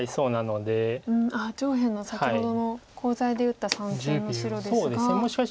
上辺の先ほどのコウ材で打った３線の白ですが。